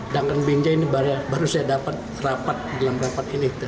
dan binjai ini baru saya dapat rapat dalam rapat ini